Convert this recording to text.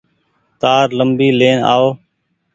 تآر ليمبي لين آئو۔